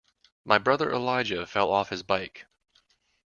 My brother Elijah fell off his bike.